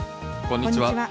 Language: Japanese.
こんにちは。